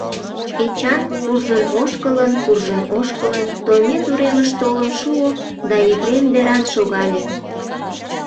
Эчан, куржын-ошкылын, куржын-ошкылын, Тоймет уремыш толын шуо да Епрем деран шогале.